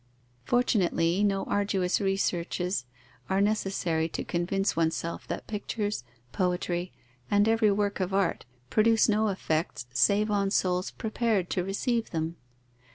Fortunately, no arduous researches are necessary to convince oneself that pictures, poetry, and every work of art, produce no effects save on souls prepared to receive them.